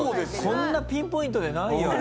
こんなピンポイントでないよね。